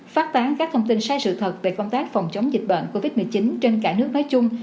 phát tán các thông tin sai sự thật về công tác phòng chống dịch bệnh covid một mươi chín trên cả nước nói chung